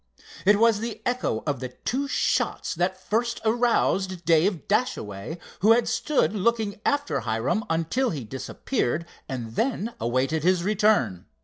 It was the echo of the two shots that first aroused Dave Dashaway, who had stood looking after Hiram until he disappeared, and then awaited his return.